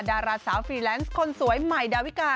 ดาราสาวฟรีแลนซ์คนสวยใหม่ดาวิกา